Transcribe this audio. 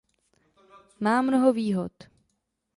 Má mnoho výhod.